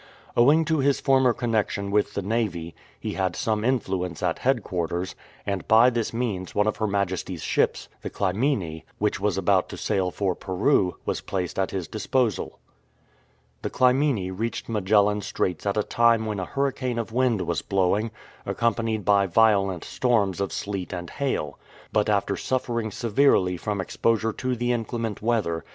Owing to his former connexion with the Navy he had some influence at headquarters, and by this means one of Her Majesty ""s ships, the Clymenc^ which was about to sail for Peru, was placed at his disposal. The Clymene reached Magellan Straits at a time when a hurricane of wind was blowing, accompanied by violent storms of sleet and hail ; but after suffering severely from exposure to the inclement weather.